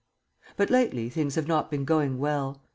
But lately things have not been going well.